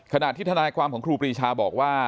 ขณะที่ทนายความของครูปรีชาบอกว่า